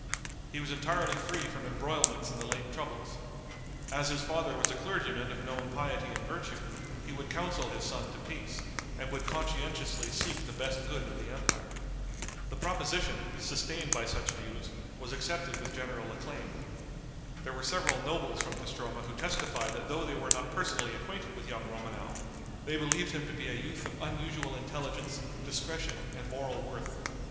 He was entirely free from embroilments in the late troubles. As his father was a clergyman of known piety and virtue, he would counsel his son to peace, and would conscientiously seek the best good of the empire. The proposition, sustained by such views, was accepted with general acclaim. There were several nobles from Castroma who testified that though they were not personally acquainted with young Romanow, they believed him to be a youth of unusual intelligence, discretion and moral worth.